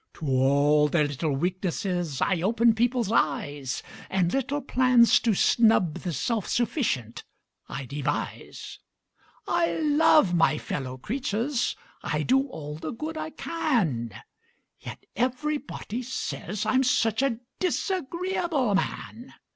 To all their little weaknesses I open people's eyes And little plans to snub the self sufficient I devise; I love my fellow creatures I do all the good I can Yet everybody say I'm such a disagreeable man!